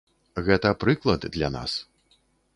Гэта прыклад для нас.